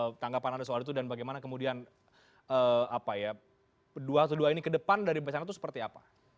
apa tanggapan anda soalnya itu dan bagaimana kemudian apa ya dua dua ini kedepan dari pesanan itu seperti apa